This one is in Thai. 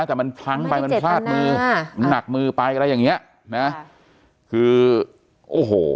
แต่มันพลั้งไปมันพลาดมือค่ะมันหนักมือไปอะไรอย่างเงี้ยนะคือโอ้โห